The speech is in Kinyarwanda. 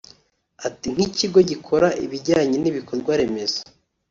Ati “ Nk’ikigo gikora ibijyanye n’ibikorwa remezo